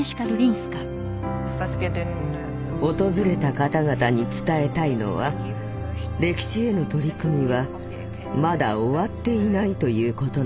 訪れた方々に伝えたいのは歴史への取り組みはまだ終わっていないということなんです。